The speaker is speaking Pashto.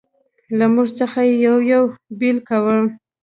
له موږ څخه یې یو یو بېل کاوه.